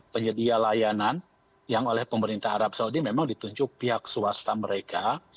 penyedia layanan yang oleh pemerintah arab saudi memang ditunjuk pihak swasta mereka